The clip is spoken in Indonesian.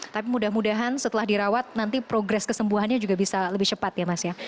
tapi mudah mudahan setelah dirawat nanti progres kesembuhannya juga bisa lebih cepat ya mas ya